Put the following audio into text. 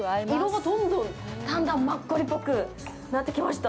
色がどんどんだんだんマッコリっぽくなってきました。